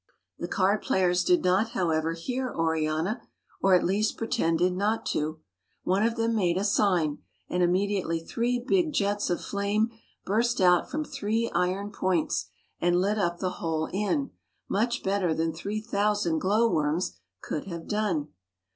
The card players did not, however, hear Oriana, or at least pretended not to. One of them made a sign ; and immediately three big jets of flame burst out from three iron points, and lit up the whole inn, much better than three thousand glow worms could have done.